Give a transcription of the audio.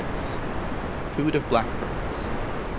Food of Blackbirds.